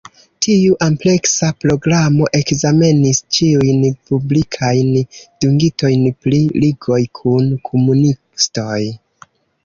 Tiu ampleksa programo ekzamenis ĉiujn publikajn dungitojn pri ligoj kun komunistoj.